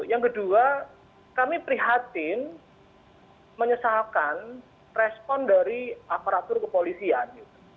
yang kedua kami prihatin menyesalkan respon dari aparatur kepolisian